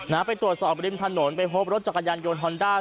ไปตรวจสอบริมถนนไปพบรถจักรยานยนต์ฮอนด้า